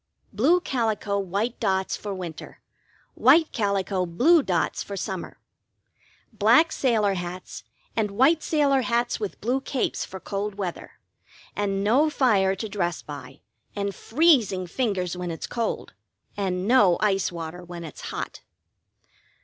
Blue calico, white dots for winter, white calico, blue dots for summer. Black sailor hats and white sailor hats with blue capes for cold weather, and no fire to dress by, and freezing fingers when it's cold, and no ice water when it's hot.